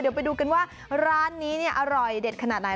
เดี๋ยวไปดูกันว่าร้านนี้เนี่ยอร่อยเด็ดขนาดไหน